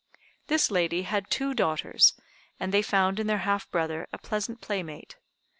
This lady had two daughters, and they found in their half brother a pleasant playmate.